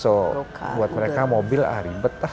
so buat mereka mobil ribet lah